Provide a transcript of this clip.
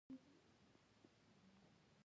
د افغان مرګ د خپل عزت لپاره وي.